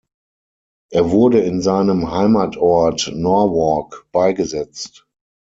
Er wurde in seinem Heimatort Norwalk beigesetzt.